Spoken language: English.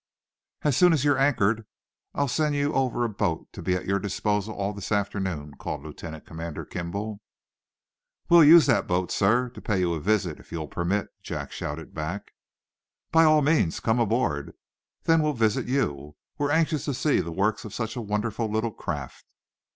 "As soon as you're anchored, I'll send you over a boat to be at your disposal this afternoon," called Lieutenant Commander Kimball. "We'll use the boat, sir, to pay you a visit, if you permit," Jack shouted back. "By all means come aboard. Then we'll visit you. We're anxious to see the works of such a wonderful little craft."